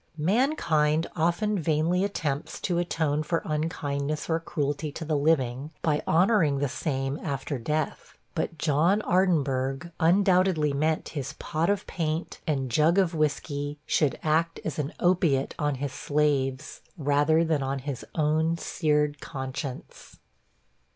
Mankind often vainly attempts to atone for unkindness or cruelty to the living, by honoring the same after death; but John Ardinburgh undoubtably meant his pot of paint and jug of whisky should act as an opiate on his slaves, rather than on his own seared conscience.